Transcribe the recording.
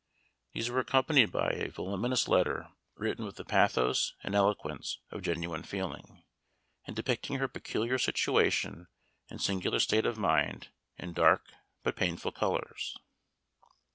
These were accompanied by a voluminous letter, written with the pathos and eloquence of genuine feeling, and depicting her peculiar situation and singular state of mind in dark but painful colors.